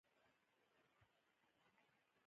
احمد راته وويل چې خوله به مې نه راماتوې.